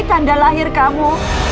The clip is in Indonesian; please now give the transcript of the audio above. ini tanda lahir kamu